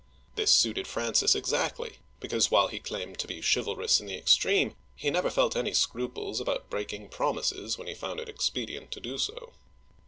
This suited Francis exactly, because while he claimed to be chivalrous in the extreme, he never felt any scruples about breaking promises when he found it ex pedient to do so.